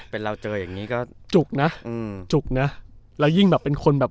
เป็นเราเจออย่างงี้ก็จุกนะอืมจุกนะแล้วยิ่งแบบเป็นคนแบบ